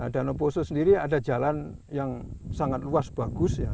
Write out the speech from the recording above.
danau poso sendiri ada jalan yang sangat luas bagus ya